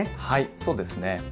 はいそうですね。